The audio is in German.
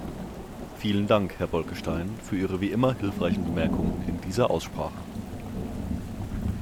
Vielen Dank, Herr Bolkestein, für Ihre wie immer hilfreichen Bemerkungen in dieser Aussprache.